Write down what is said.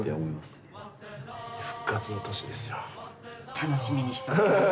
楽しみにしております